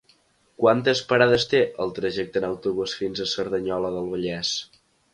Quantes parades té el trajecte en autobús fins a Cerdanyola del Vallès?